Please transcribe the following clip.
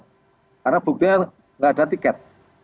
karena buktinya tidak ada tiket